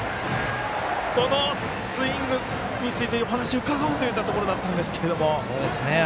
そのスイングについてお話を伺おうと思ったところだったんですが。